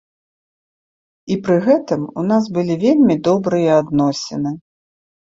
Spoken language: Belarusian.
І пры гэтым у нас былі вельмі добрыя адносіны.